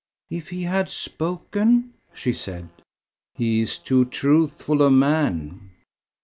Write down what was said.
"If he had spoken?" she said. "He is too truthful a man."